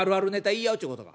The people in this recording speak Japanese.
言い合うっちゅうことか。